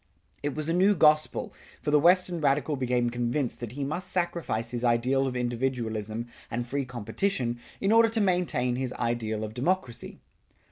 It was a new gospel, for the Western radical became convinced that he must sacrifice his ideal of individualism and free competition in order to maintain his ideal of democracy.